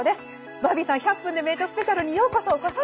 バービーさん「１００分ｄｅ名著スペシャル」にようこそお越し下さいました。